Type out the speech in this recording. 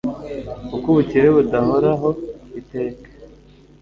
kuko ubukire budahoraho iteka